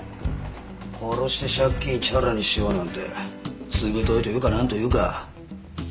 殺して借金チャラにしようなんて図太いというかなんというか。